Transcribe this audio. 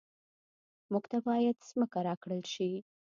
موږ ته باید ځمکه راکړل شي